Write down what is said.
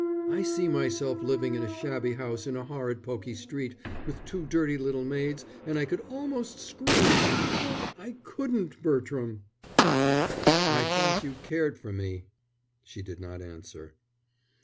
I see myself living in a shabby house in a horrid pokey street, with two dirty little maids, and I could almost scream. Oh, I couldn't, Bertram." "I thought you cared for me." She did not answer.